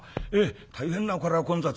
大変なこれは混雑で。